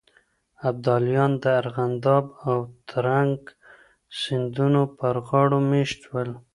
ابداليان د ارغنداب او ترنک سيندونو پر غاړو مېشت شول.